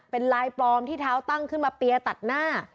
เป็นลายปลอมที่เท้าตั้งขึ้นมาเปียร์ตัดหน้า